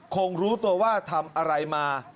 คงรู้ตัวว่าทำอะไรมา